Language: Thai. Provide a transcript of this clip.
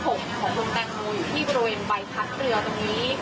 ผมของคุณแตงโมอยู่ที่บริเวณใบพัดเรือตรงนี้